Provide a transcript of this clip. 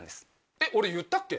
えっ俺言ったっけ？